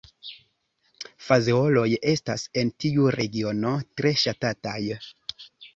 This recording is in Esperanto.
Fazeoloj estas en tiu regiono tre ŝatataj.